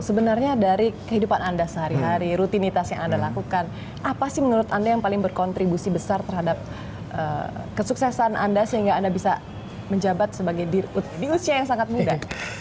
sebenarnya dari kehidupan anda sehari hari rutinitas yang anda lakukan apa sih menurut anda yang paling berkontribusi besar terhadap kesuksesan anda sehingga anda bisa menjabat sebagai di usia yang sangat muda